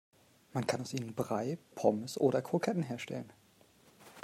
Man kann aus ihnen Brei, Pommes oder Kroketten herstellen.